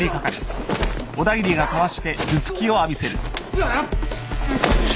うっ。